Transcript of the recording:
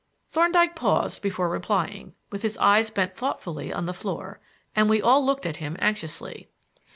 Thorndyke paused before replying, with his eyes bent thoughtfully on the floor, and we all looked at him anxiously.